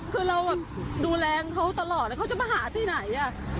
คือเราแบบดูแลเขาตลอดแล้วเขาจะมาหาที่ไหน